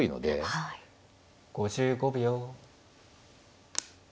５５秒。